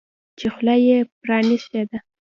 چې خوله یې پرانیستې ده.